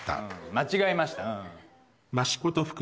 間違えました。